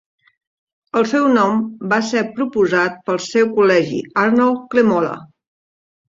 El seu nom va ser proposat pel seu col·legi Arnold Klemola.